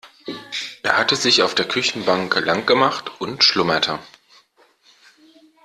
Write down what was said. Er hatte sich auf der Küchenbank lang gemacht und schlummerte.